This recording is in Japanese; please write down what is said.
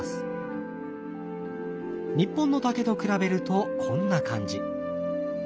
日本の竹と比べるとこんな感じ。